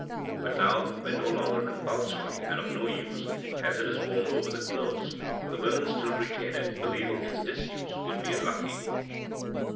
But now, when no longer compulsory, and of no use, as it is worn over the clothes, the women still retain it, believing its disuse would be unlucky."